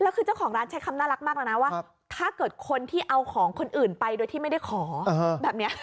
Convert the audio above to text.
แล้วคือเจ้าของร้านใช้คำน่ารักมากแล้วนะว่าถ้าเกิดคนที่เอาของคนอื่นไปโดยที่ไม่ได้ขอแบบนี้